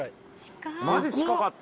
マジ近かった。